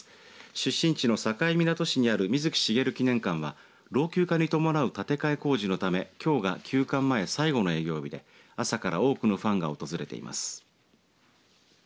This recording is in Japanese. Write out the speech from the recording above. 出身地の境港市にある水木しげる記念館は老朽化に伴う建て替え工事のためきょうが休館前最後の営業日で朝から多くのファンが訪れています。